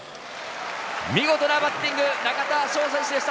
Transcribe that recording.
見事なバッティング、中田翔選手でした！